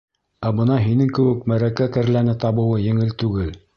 Ә бына һинең кеүек мәрәкә кәрләне табыуы еңел түгел.